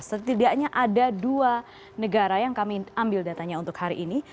setidaknya ada dua negara yang kami ambil datanya untuk hari ini